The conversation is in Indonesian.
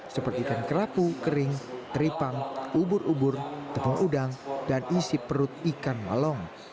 seperti ikan kerapu kering teripang ubur ubur tepung udang dan isi perut ikan malong